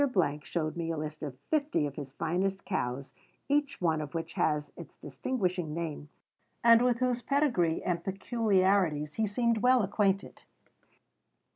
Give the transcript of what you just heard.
showed me a list of fifty of his finest cows, each one of which has its distinguishing name, and with whose pedigree and peculiarities he seemed well acquainted.